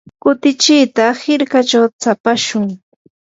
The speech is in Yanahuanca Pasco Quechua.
kutichita hirkachaw tsapashun.